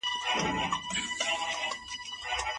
خصوصي پوهنتون په خپلسري ډول نه ویشل کیږي.